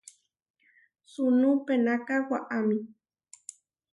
Sunú penaká waʼámi.